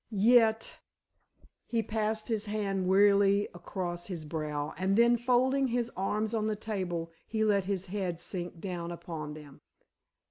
Yet——" He passed his hand wearily across his brow, and then folding his arms on the table he let his head sink down upon them.